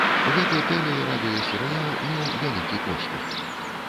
Гэты тэле- і радыёсерыял меў вялікі поспех.